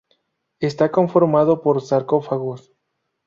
Está conformado por sarcófagos.